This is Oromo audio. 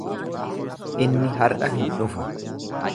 Inni har'a hin dhufu.